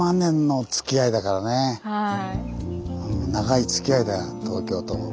長いつきあいだよ東京と。